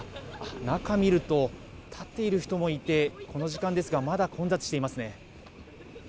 中を見ると立っている人もいてこの時間ですがまだ混雑していますね。